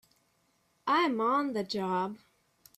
I'm on the job!